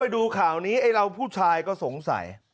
ดูข่าวนี้ไอ้เราผู้ชายก็สงสัย